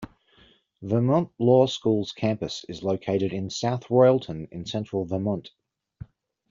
Vermont Law School's campus is located in South Royalton in central Vermont.